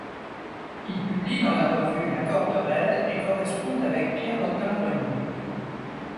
Il publie dans la revue La Corde raide et correspond avec Pierre Autin-Grenier.